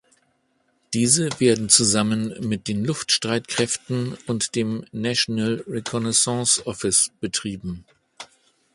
Diese werden zusammen mit den Luftstreitkräften und dem National Reconnaissance Office betrieben.